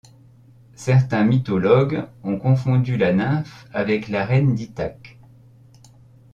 Certains mythologues ont confondu la nymphe avec la reine d'Ithaque.